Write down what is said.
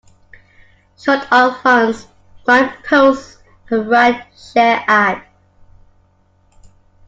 Short on funds, Brian posts a ride-share ad.